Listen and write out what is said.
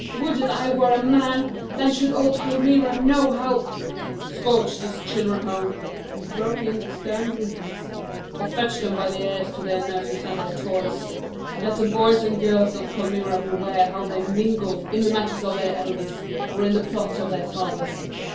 Would that I were a man. Then should all Palmyra know how " "Scourge these children home," broke in the stern Rufinus, "or fetch them by the ears to their nurses and their toys. Let the boys and girls of Palmyra beware how they mingle in the matters of their elders, or in the plots of their fathers.